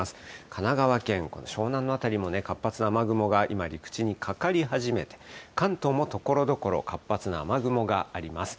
神奈川県、この湘南の辺りも、活発な雨雲が、今、陸地にかかり始めて、関東もところどころ活発な雨雲があります。